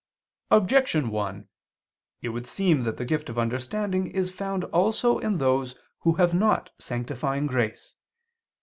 Objection 1: It would seem that the gift of understanding is found also in those who have not sanctifying grace.